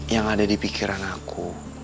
yang ada di pikiran aku